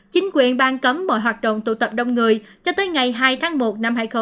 chính quyền bang cấm mọi hoạt động tụ tập đông người cho tới ngày hai tháng một năm hai nghìn hai mươi